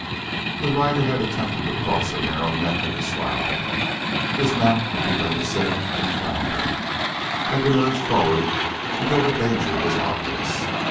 The rider had attempted to cross a narrow neck of the slough. His mount had begun to sink and flounder, had been urged forward until the danger was obvious.